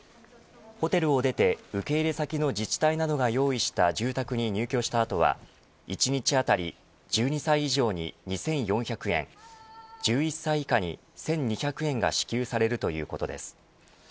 ホテルを出て受け入れ先の自治体などが用意した住宅に入居した後は一日当たり１２歳以上に２４００円１１歳以下に１２００円が支給されるということです。